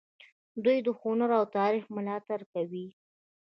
دوی د هنر او تاریخ ملاتړ کوي.